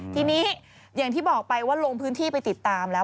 ทีนี้อย่างที่บอกไปว่าลงพื้นที่ไปติดตามแล้ว